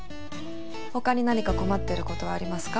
他に何か困ってる事はありますか？